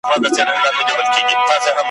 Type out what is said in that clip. ته به زیارت یې د شهیدانو `